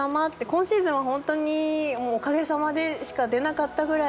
今シーズンは本当にもう「おかげさまで」しか出なかったぐらい